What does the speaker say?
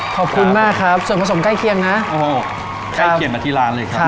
ขอบคุณมากครับส่วนผสมใกล้เคียงนะโอ้ใกล้เคียงมาที่ร้านเลยครับ